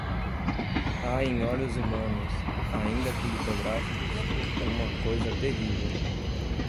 Há em olhos humanos, ainda que litográficos, uma coisa terrível